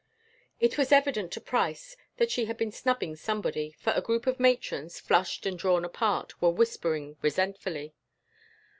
It was evident to Price that she had been snubbing somebody, for a group of matrons, flushed and drawn apart, were whispering resentfully.